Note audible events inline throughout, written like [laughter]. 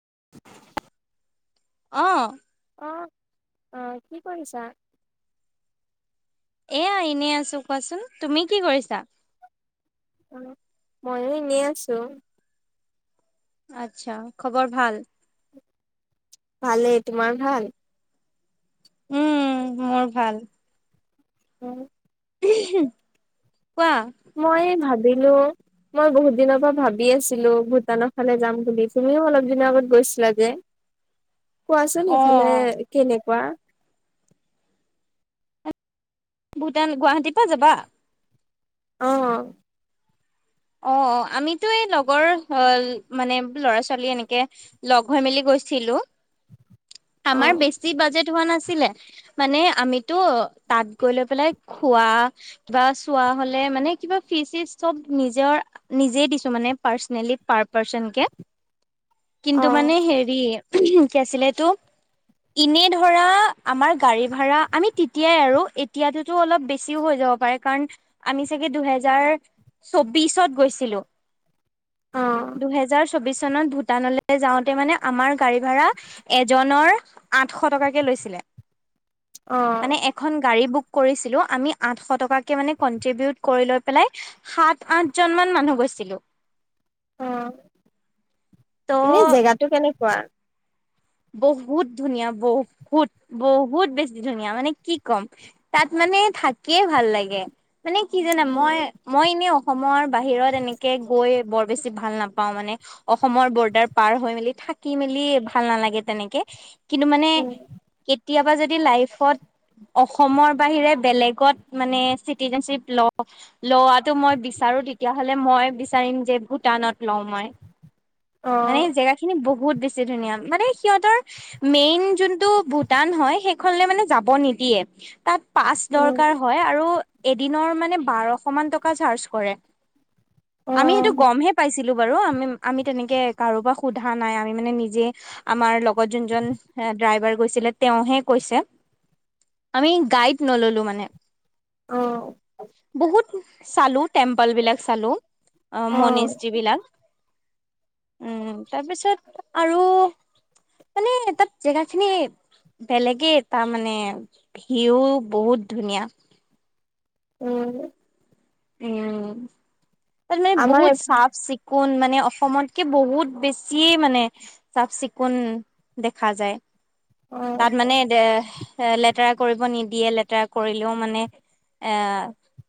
চৰক অ অ অ কি কৰিছা। এয়া এনেই আছোঁ কোৱাচোন তুমি কি কৰিছা? অ ময়ো এনেই আছোঁ। আচ্ছা খবৰ ভাল? ভালে, তোমাৰ ভাল? উম মোৰ ভাল। উম [unintelligible] মই ভাবিলো মই বহুত দিনৰ পৰা ভাবি আছিলো ভূটানৰ ফালে যাম বুলি তুমিও অলপ দিনৰ আগত গৈছিলা যে। কোৱাচোন সেই ফালে অ'। কেনেকুৱা? ভূটান গুৱাহাটীৰ পৰা যাবা! অৱ। অ অ আমিতো এই লগৰ মানে ল'ৰা-ছোৱালী এনেকে লগ হৈ মেলি গৈছিলো। অ আমাৰ বেছি বাজেট হোৱা নাছিল। মানে আমিতো তাত গৈ লৈ পেলাই খোৱা কিবা চোৱা হলে মানে কিবা ফিচ চিচ চব নিজ নিজৰ নিজেই দিছো মানে পাৰ্চনেলি পাৰ পাৰ্চনকে অ কিন্তু মানে হেৰি কি আছিল সেইটো এনেই ধৰা আমাৰ গাড়ী ভাৰা আমি তেতিয়াই আৰু এতিয়াততো অলপ বেছিও হৈ যাব পাৰে কাৰণ আমি চাগে দুই হাজাৰ চৌবিশত গৈছিলো। অ দুহেজাৰ চৌবিশ চনত ভূটানলৈ যাওঁতে মানে আমাৰ গাড়ী ভ়াৰা এজনৰ আঠশ টকাকে লৈছিলে। অ মানে এখন গাড়ী বুক কৰিছিলো আমি আঠশ টকাকে মানে কনটিউবুত কৰি লৈ পেলাই সাত আঠজন মান মানুহ গৈছিলো। অৱ, এনে ত' জেগাতটো কেনেকুৱা? বহুত ধুনীয়া মানে কি জানা উম মই, মই এনেই অসমৰ বাহিৰত এনেকে গৈ বৰ বেছি ভাল নাপাওঁ মানে। অসমৰ বৰ্ডাৰ পাৰ হৈ মেলি থাকি মেলি ভাল নালাগে। তেনেকে। কিন্তু মানে উম কেতিয়াবা যদি। লাইফত অসমৰ বাহিৰে বেলেগত মানে চিটিজেনশিপ ল লোৱাটো মই বিচাৰো তেতিয়া হ'লে মই বিচাৰিম, যে ভূটানত লওঁ মই। অ মানে জেগাখিনি বহুত বহুত বেছি ধুনীয়া মানে। সিহঁতৰ পাছ উম দৰকাৰ হয় আৰু এদিনৰ মানে বাৰশ মান টকা চাৰ্জ কৰে। অ আমি সেইটো গমহে পাইছিলোঁ। বাৰু আমিম আমাৰ লগ লগত যোনজন হে ড্ৰাইভাৰ। গৈছিলে তেওঁহে কৈছে আমি গাইড নললো মানে। অ বহুত। চালো টেম্পল বিলাক চালো। অ মনিষ যিবিলাক। উম তাৰপিছত আৰু। মানে তাত জেগা খিনি বেলেগেই তাৰ মানে ভিউ বহুত ধুনীয়া। উম উম মই আমাৰ বহুত চাফ চিকুন। চিকুণ মানে অসমতকে বহুত বেছিয়ে মানে চাফ চিকুণ দেখা যায়। অ তাত মানে দে এ লেতেৰা কৰিব নিদিয়ে লেতেৰা কৰিলেও মানে এ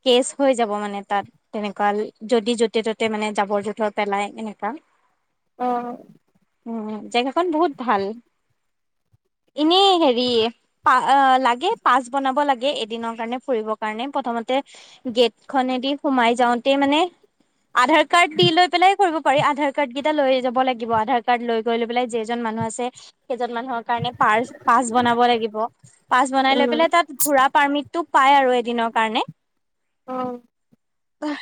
কেচ। হৈ যাব মানে তাত তেনেকুৱা যদি য'তে ত'তে মানে জাবৰ জোথৰ পেলাই এনেকুৱা। আহ উম জেগাখন বহুত ভাল এনে হেৰি পা লাগে পাছ বনাব লাগে এদিনৰ কাৰণে ফুৰিব কাৰণে প্ৰথমতে গেট। খনেদি সোমাই যাওঁতে মানে। আধাৰ কাৰ্ড দিলৈ পেলাই। কৰিব পাৰি আধাৰ কাৰ্ড কেইটা লৈ যাব লাগিব আধাৰ কাৰ্ড লৈ গৈ লৈ পেলাই যেইজন মানুহ আছে সেইজন মানুহক। কাৰণে পাছ বনাব লাগিব, পাছ বনাই উম বিলাই ঘূৰা পাৰ্মিট টো। পাই আৰু এদিনৰ কাৰণে আহ কোৱা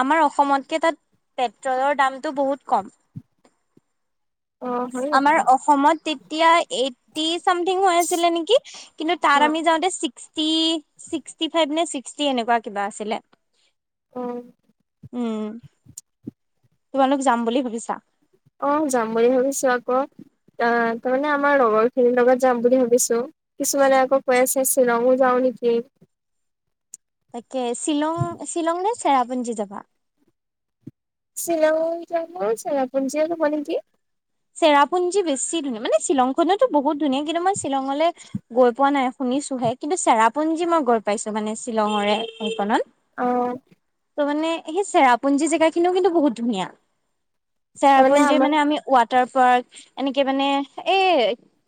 আমাৰ অসমতকে তাত পেট্ৰলৰ দামটো বহুত কম অ হয় নেকি আমাৰ অসমত তে এতিয়াই এই টি চামথিং হৈ আছিলে নেকি কিন্তু তাত অ', আমি যাওঁতে। ছিক্সটি ছিক্সটি ফাইভ নে ছিক্সটি এনেকুৱা কিবা আছিলে অঁ উম তোমালোক যাম বুলি ভাবিছা আহ যাম বুলি ভাবিছো আকৌ আহ তাৰমানে আমাৰ লগৰ খিনিৰ লগত যাম বুলি ভাবিছো কিছুমানে আকৌ কৈ আছে শ্বিলঙো যাওঁ নেকি? শ্বিলং শ্বিলং নে চেৰাপুঞ্জী যাবা শ্বিলং যাব চেৰাপুঞ্জীউ যাব নেকি চেৰাপুঞ্জী বেছি ধুনীয়া মানে শ্বিলংখনোতো বহুত ধুনীয়া কিন্তু মই শ্বিলংলৈ গৈ পোৱা নাই শুনিছোহে কিন্তু চেৰাপুঞ্জী মই গৈ পাইছো মানে শ্বিলঙৰে হেইকনত আহ সেই চেৰাপুঞ্জী জেগা খিনিও কিন্তু বহুত ধুনীয়া তাৰমানে চেৰাপুঞ্জী আমাৰ মানে আমি ৱাত তাৰপৰা এনেকে মানে, এ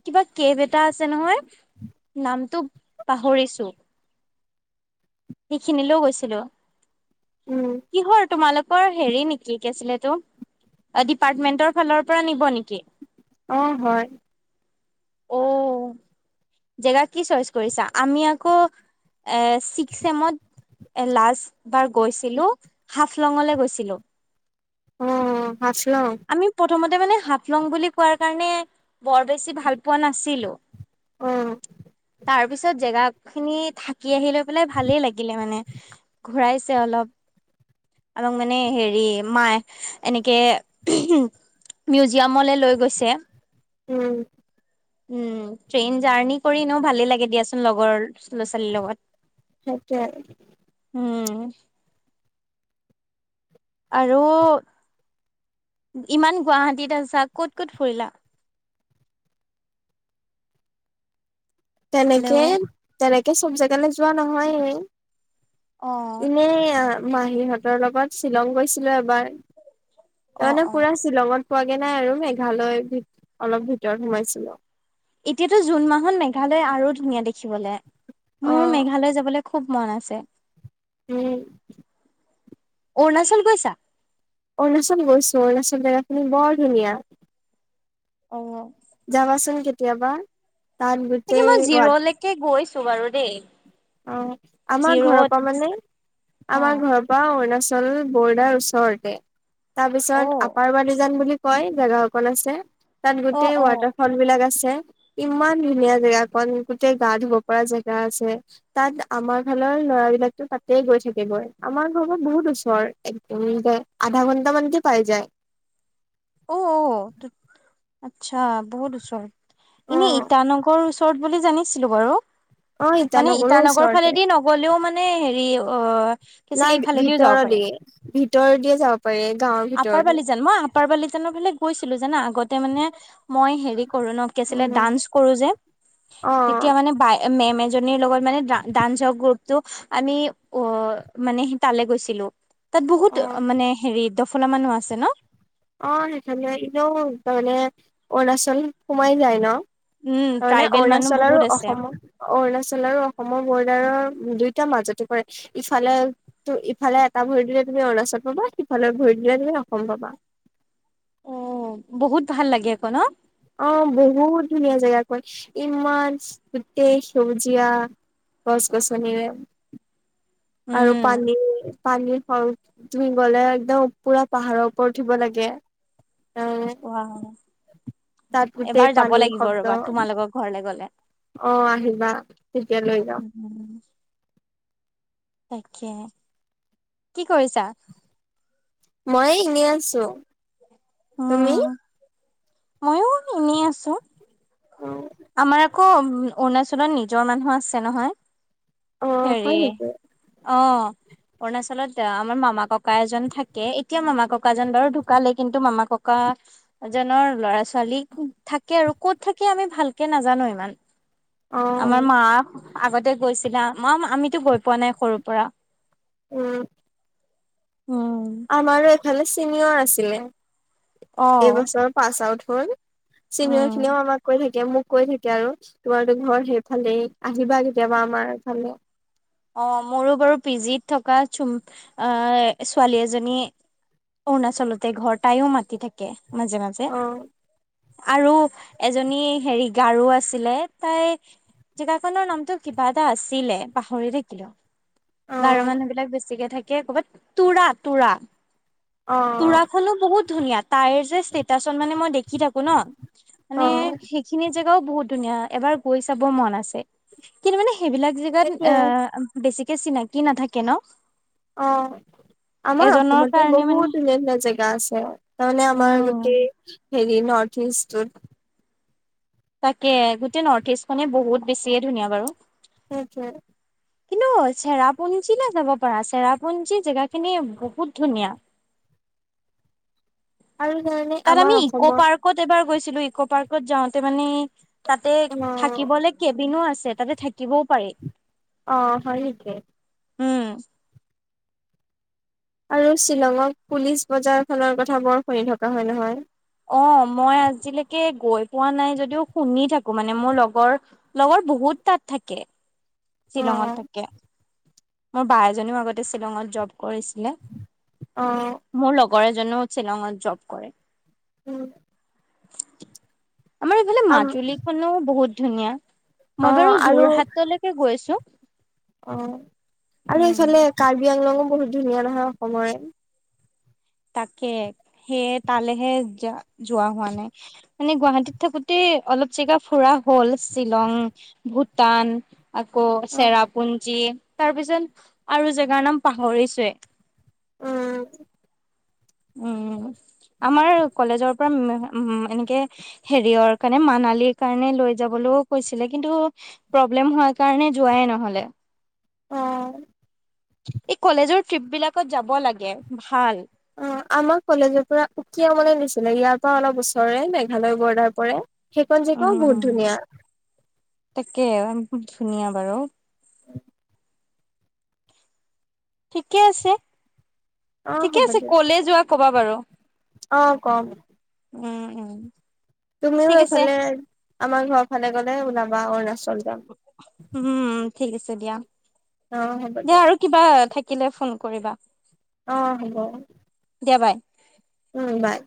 কিবা কেক এটা আছে নহয় নামটো পাহৰিছো। সেইখিনিলৈও গৈছিলোঁ। উম, কিহৰ, তোমালোকৰ হেৰি নেকি কি আছিলে? ডিপাৰ্টমেন্টৰ ফালৰ পৰা নিব নেকি? অ হয়। অঁ। জেগা কি চইচ কৰিছা? আমি আকৌ এ চিক্স এমত লাষ্ট বাৰ গৈছিলো হাফলংলৈ গৈছিলো। অ', হাফলং আমি প্ৰথমতে মানে হাফলং বুলি কোৱাৰ। কাৰণে বৰ বেছি ভাল পোৱা নাছিলো। অ', তাৰ পিছত, জেগা খিনি থাকি। থাকি আহি লৈ পেলাই ভালেই লাগিলে মানে, ঘূৰাইছে অলপ আৰু মানে হেৰি মাহ এনেকে মিউজিয়ামলে লৈ গৈছে। উম। উম ট্ৰেইন জাৰ্ণি কৰি এনেও ভালে লাগে দিয়াচোন, লগৰ ল'ৰা ছোৱালীৰ লগত। সেইটোয়ে। উম। আৰু, ইমান গুৱাহাটীত আছা ক'ত ক'ত ফুৰিলা? তেনেকে হেল্ল' তেনেকে। তেনেকে চব জেগালে যোৱা নহয়। অ ইনেই। মাহীহঁতৰ লগত শ্বিলং গৈছিলো এবাৰ। অ তাৰমানে অ পুৰা শ্বিলঙত। পোৱাগে নাই আৰু মেঘালয় অলপ ভিতৰত সোমাইছিলো। এতিয়াতো জুন মাহত মেঘালয় আৰু ধুনীয়া দেখি। দেখিবলে মোৰ অ', মেঘালয় যাবলৈ। খুব মন আছে। উম। অৰুণাচল গৈছা? অৰুণাচল গৈছো, অৰুণাচল জেগাখিনি বৰ ধুনীয়া। অঁ। যাবাচোন কেতিয়াবা। তাত তাকে গোটেই মই ৱাত জিৰ'লৈকে গৈছো। গৈছো বাৰু দেই। অ, আমাৰ ঘৰৰ জিৰ'ত পৰা মানে অ আমাৰ ঘৰৰ পৰা অৰুণাচল। বৰ্ডাৰ ওচৰতে অ তাৰপিছত আপাৰবাদিজান বুলি কয় জেগা অকন আছে। তাত অ গোটেই অ ৱাটাৰ ফল বিলাক আছে। ইমান ধুনীয়া জেগা অণ, গোতেেই গা ধুব পৰা জেগা আছে। তাত আমাৰ ফালৰ ল'ৰাবিলাকতো তাতেই গৈ থাকে গৈ আমাৰ ঘৰ বহুত ওচৰ একদম আধা ঘন্টাামানকে পাই যায়। অ অ আচ্ছা বহুত ওচৰত, অ এনে ইটানগৰৰ ওচৰত বুলি জানিছিলো বাৰু। অ মানে ইটানগৰৰ ইটান নগৰ ওচৰতে ফালেদি নগলেও মানে? মানে হেৰি অ। কি আছিলে নাই ইফালেদিও যাব ভিতৰ পাৰে। দিয়। উতৰ দিয় যাওক? আপাৰ বালিজান মই আপাৰ বালিজানৰ বোলে? কৈছিলো জানো আগতে মানে মই হেৰি? কৰো ন কি আছিলে উম দাঞ্চ কৰো যে অ তেতিয়া মানে মেম। লগত মানে ডাঞ্চৰ গ্ৰুপটো আমি অ মানে স তালৈ গৈছিলো? তাত অ বহুত মানে হেৰি? দফলা মানুহ আছে ন। অ সেইকাৰালে এনেও তাৰমানে অৰুণাচল সোমাই যায় ন। উম তানে ট্ৰাইবেল মানুহ অৰুণাচল বহুত আৰু আছে। অসমৰ অৰুণাচল আৰু অসমৰ বৰ্ডাৰৰ। নে উ দুইটা মাজতো কৰে ইফালে ইফালে এটা ভৰি দিলে তুমি অৰুণাচল পাবা সিফালে ভৰি দিলে তুমি অসম পাবা? অ বহুত ভাল লাগে আকৌ ন। অ বহুত ধুনীয়া জেগাখন ইমান গোটেই সেউজীয়া গছ গছনিৰে? আৰু উম পানীৰ পানীৰ স। তুমি গ'লে একদম পুৰা পাহাৰৰ ওপৰত উঠিব লাগে? এ ৱ তাত হয় গোটেই এবাৰ যাব পানীৰ লাগিব শব্দ ৰবা তোমালোকৰ ঘৰলে গ। লে অ আহিবা তেতিয়া লৈ যাও? উম তাকে কি কৰিছা? মই এনেই আছো? তুমি অহ ময়ো এনেই আছো? আমাৰ আকৌ অৰুণাচলত নিজৰ মানুহ আছে নহয়? অ হয় হেৰি নেকি অ অৰুণাচলত আমাৰ মামা ককা এজন থাকে এতিয়া মামা ককাজন বাৰু ঢুকালে কিন্তু মামা ককা এজনৰ লৰা ছোৱালী থাকে আৰু কত থাকে আমি ভালকে নাজানো ইমান? অ অ আমাৰ মা। আগতে গৈছিলা? ম আমিতো গৈ পোৱা নাই সৰুৰ পৰা? উম উম, আমাৰো এ। ইফালে চিনিয়ৰ আছিলে? এই অ', বছৰ পাছ আউট। ক উম, চিনিয়ৰখিনিও আমাক কৈ থাকে এতিয়া মোক কৈ থাকে আৰু তোমাৰতো ঘৰ সেইফালেই আহিবা কেতিয়াবা আমাৰ এইফালে অ মোৰো বাৰু পি জিত থকা চুম্পী ছোৱালী এজনী অৰুণাচলতে ঘৰ তাইও মাতি থাকে মাজে মাজে অ আৰু এজনী হেৰি গাৰু আছিলে তাই জেগাখনৰ নামতো কিবা এটা আছিলে পাহৰি থাকি লো অ গাৰু মানুহ বিলাক বেছিকে থাকে কে ক'বাত তোৰা তোৰা অ তোৰা খনো বহুত ধুনীয়া তাইৰ যে ষ্টেটাছ মানে মই দেখি থাকো ন অ মানে সেইখিনি যে ও বহুত ধুনীয়া এবাৰ গৈ চাব মন আছে কিন্তু মানে সেইবিলাক জেগাত সেইটোৱে এ বেছিকে চিনাকি নাথাকে ন অ আমাৰ এজনৰ অসমতে কাৰণে মানে বহুত ধুনীয়া ধুনীয়া জেগা আছে তাৰমানে আমাৰ উম গোটেই হেৰি নৰ্থ ইষ্টটোত তাকে গোটেই নৰ্থ ইষ্টখনে বহুত বেছিয়ে ধুনীয়া বাৰু সেইটোৱে কিন্তু চেৰাপুঞ্জীলে যাব পাৰা চেৰাপুঞ্জী জেগাখিনি বহুত ধুনীয়া আৰু জানানে তাত আমাৰ আমি ইক' অসমৰ পাৰ্কত এবাৰ গৈছো ছিলো ইক' পাৰ্কত যাওঁতে মানে তাতে অ থাকিবলে কেবিনো আছে তাতে থাকিবও পাৰি অ হয় নেকি উম আৰু শ্বিলঙত পুলিচ বজাৰ খনৰ কথা বৰ শুনি থকা হয় নহয়। কোৱা নাই যদিও শুনি থাকো মানে মোৰ লগৰ লগৰ বহুত তাত থাকে অ শ্বিলংত থাকে মোৰ বা এজনীও আগতে শ্বিলঙত জব চিলে অ মোৰ লগৰে ঙাত জব কৰে উম আমাৰ এইফালে আম মাজুলী খনো বহুত ধুনীয়া অ মই বাৰু আৰু যোৰহাটলৈকে গৈ আছো অহ আৰু উম। এইফালে কাৰ্বি আংলং বহুত ধুনীয়া নহয় অসমৰে তাকে সেয়ে তালেহে যা যোৱা হোৱা নাই মানে গুৱাহাটীত থাকোতে অলপ জেগা ফুৰা হল শ্বিলং, ভূটান। আকৌ অ চেৰাপুঞ্জী তাৰপিছত আৰু জেগাৰ নাম পাহৰিছোৱে। উম উম আমাৰ কলেজৰ পৰা এনেকে হেৰিয়ৰ কাৰণে মানালিৰ কাৰণে লৈ যাবলৈও কৈছিলে কিন্তু প্ৰব্লেম হোৱাৰ কাৰণে যোৱাই নহলে। অহ এই কলেজৰ ট্ৰিপ বিলাকত যাব লাগে ভাল। অ আমাক কলেজৰ পৰা উকিয় মলৈ নিছিলে ইয়াৰ পৰা অলপ ওচৰে মেঘালয় বৰ্ডাৰ পৰা সেইখন জেগাও বহুত উম ধুনীয়া খুব ধুনীয়া বাৰু ঠিকে আছে অ ঠিকে হ'ব আছে দিয়ক কলে যোৱা কবা বাৰু অ কম উম উম তুমিও ঠিক আছে এইফালে আমাৰ ঘৰ ফালে গ'লে ওলাবা অৰুণাচল যাম উম ঠিক আছে দিয়া অ হ'ব দে দিয়ক আৰু কিবা থাক থাকিলে ফোন কৰিবা অ হব দিয়া বাই উম বাই